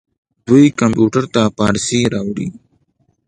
دوی کمپیوټر ته فارسي راوړې.